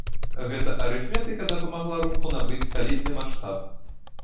Гэта арыфметыка дапамагла руху набыць салідны маштаб.